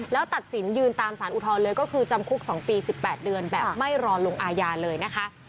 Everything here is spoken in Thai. แล้วตัดสินยืนตามสารอุทธรณ์เลยก็คือจำคุก๒ปี๑๘เดือนแบบไม่รอลงอาญาเลยนะคะ